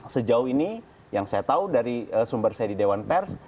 sejauh ini yang saya tahu dari sumber saya di dewan pers